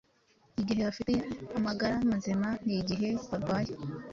Igihe bafite amagara mazima n’igihe barwaye,